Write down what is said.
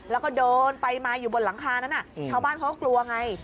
แล้วก็เดินไปมาอยู่บนหลังคานั้นชาวบ้านเขาก็กลัวไง